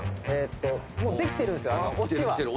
もうできてるんですよオチは。